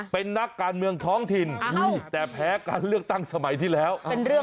เป็นนักการเมืองท้องถิ่นแต่แพ้การเลือกตั้งสมัยที่แล้ว